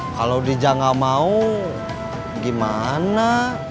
kalau diza nggak mau gimana